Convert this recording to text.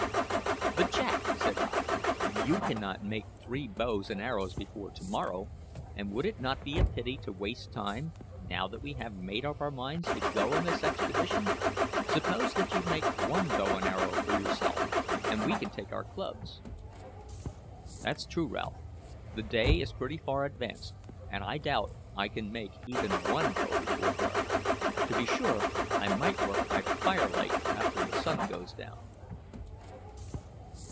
"But, Jack," said I, "you cannot make three bows and arrows before to morrow; and would it not be a pity to waste time, now that we have made up our minds to go on this expedition? Suppose that you make one bow and arrow for yourself, and we can take our clubs?" "That's true, Ralph. The day is pretty far advanced, and I doubt if I can make even one bow before dark. To be sure, I might work by firelight after the sun goes down."